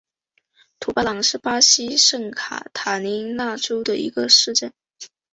图巴朗是巴西圣卡塔琳娜州的一个市镇。